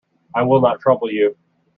I will not trouble you.